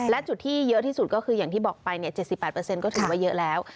และจุดที่เยอะที่สุดก็คืออย่างที่บอกไป๗๘ก็ถือว่าเยอะแล้ว